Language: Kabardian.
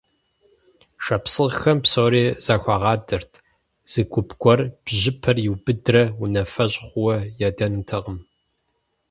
Шапсыгъхэм псори зэхуагъадэрт: зы гуп гуэр бжьыпэр иубыдрэ унафэщӀ хъууэ ядэнутэкъым.